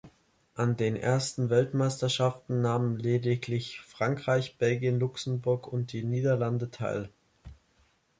An den ersten Weltmeisterschaften nahmen lediglich Frankreich, Belgien, Luxemburg und die Niederlande teil.